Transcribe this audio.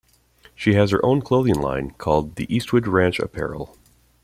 She has her own clothing line, called the "Eastwood Ranch Apparel".